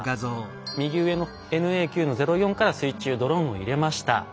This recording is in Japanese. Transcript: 右上のＮＡ９−０４から水中ドローンを入れました。